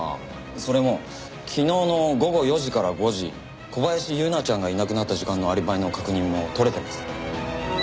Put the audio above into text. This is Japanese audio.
それも昨日の午後４時から５時小林優菜ちゃんがいなくなった時間のアリバイの確認も取れてます。